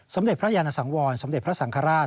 เด็จพระยานสังวรสมเด็จพระสังฆราช